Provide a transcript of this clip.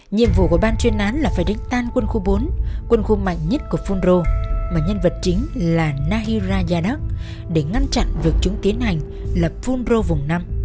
nhiệm vụ của ban chuyên án là phải đánh tan quân khu bốn quân khu mạnh nhất của funro mà nhân vật chính là nahira yadak để ngăn chặn việc chúng tiến hành lập funro vùng năm